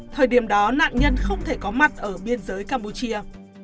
thời điểm đó nạn nhân không thể có mặt ở biên giới campuchia